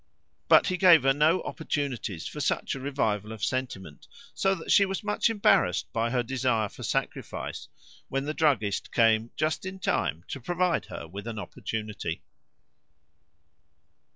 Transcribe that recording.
But he gave her no opportunities for such a revival of sentiment, so that she was much embarrassed by her desire for sacrifice, when the druggist came just in time to provide her with an opportunity.